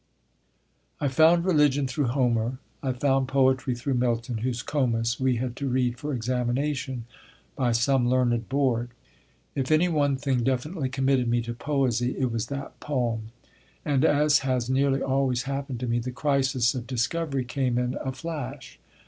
I found religion through Homer: I found poetry through Milton, whose Comus we had to read for examination by some learned Board. If any one thing definitely committed me to poesy it was that poem; and as has nearly always happened to me, the crisis of discovery came in a flash.